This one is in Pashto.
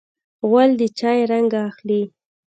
غول د چای رنګ اخلي.